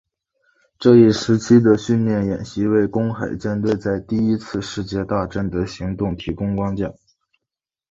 这一时期的训练演习为公海舰队在第一次世界大战的行动提供了框架。